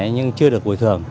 nhưng chưa được bồi thường